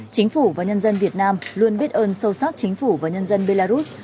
chính phủ và nhân dân việt nam luôn biết ơn sâu sắc chính phủ và nhân dân belarus